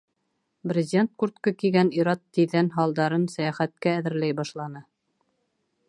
Брезент куртка кейгән ир-ат тиҙҙән һалдарын «сәйәхәт»кә әҙерләй башланы.